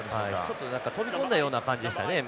ちょっと何か飛び込んだような感じでしたね